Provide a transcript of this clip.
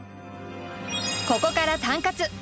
ここからタンカツ！